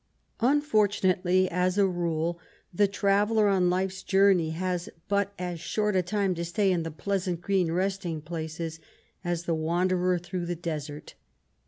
Unfortunately, as a rule, the travellei* on lifers jour ney has but as short a time to stay in the pleasant green resting places, as the wanderer through the desert.